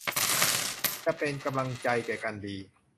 จะเป็นกำลังใจแก่กันดี